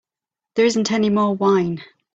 There isn't any more wine.